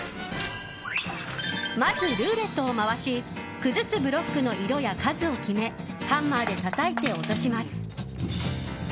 まずルーレットを回し崩すブロックの色や数を決めハンマーでたたいて落とします。